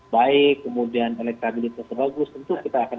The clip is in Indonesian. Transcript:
baik kemudian elektabilitasnya bagus tentu kita akan